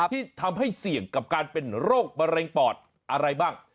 ที่ทำให้เสี่ยงกับการเป็นโรคมะเร็งปอดอะไรบ้าง